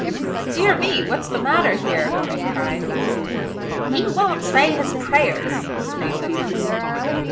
"Dear me! what's the matter here?" I cried. "He won't say his prayers," screamed the goose.